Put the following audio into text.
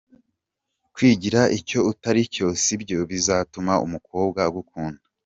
Kwigira icyo utaricyo sibyo bizatuma umukobwa agukunda.